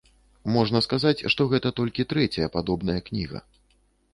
Можна сказаць, што гэта толькі трэцяя падобная кніга.